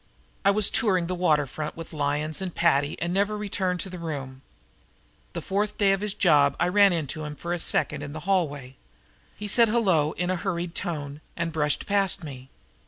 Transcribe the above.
I was touring the water front with Lyons and Paddy and never returned to the room. The fourth day of his job I ran into him for a second in the hallway. He said hello in a hurried tone and brushed past me.